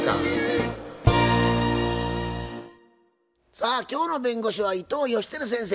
さあ今日の弁護士は伊藤芳晃先生。